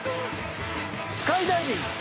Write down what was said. スカイダイビング。